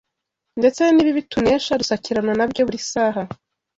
Ndetse n’ibibi tunesha dusakirana nabyo buri saha